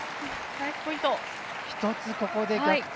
１つ、ここで逆転。